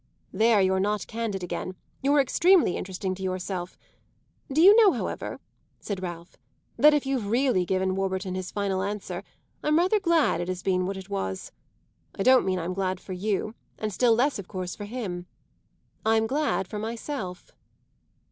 "There you're not candid again; you're extremely interesting to yourself. Do you know, however," said Ralph, "that if you've really given Warburton his final answer I'm rather glad it has been what it was. I don't mean I'm glad for you, and still less of course for him. I'm glad for myself."